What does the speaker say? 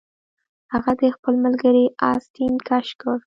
هغه د خپل ملګري آستین کش کړ